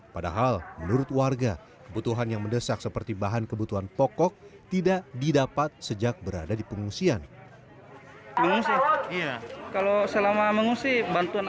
padahal menurut warga kebutuhan yang mendesak seperti bahan kebutuhan pokok tidak didapat sejak berada di pengungsian